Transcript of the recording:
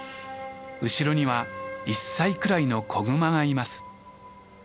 後ろには１歳くらいの子グマがいます。